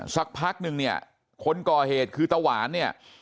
สักพักนึงเนี่ยคนก่อเหตุคือตะหวานเนี่ย